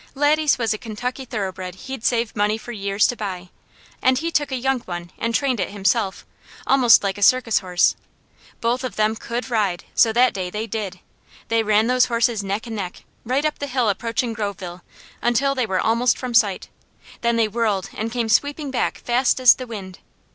Laddie's was a Kentucky thoroughbred he'd saved money for years to buy; and he took a young one and trained it himself, almost like a circus horse. Both of them COULD ride; so that day they did. They ran those horses neck and neck, right up the hill approaching Groveville, until they were almost from sight, then they whirled and came sweeping back fast as the wind.